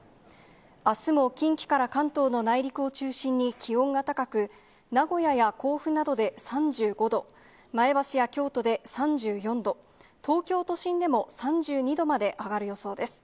あすも近畿から関東の内陸を中心に気温が高く、名古屋や甲府などで３５度、前橋や京都で３４度、東京都心でも３２度まで上がる予想です。